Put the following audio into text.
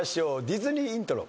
ディズニーイントロ。